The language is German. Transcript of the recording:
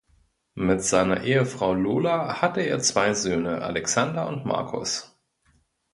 Mit seiner Ehefrau Lola hatte er zwei Söhne, Alexander und Markus.